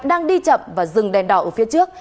đang đi chậm và dừng đèn đỏ ở phía trước